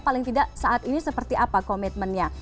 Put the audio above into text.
paling tidak saat ini seperti apa komitmennya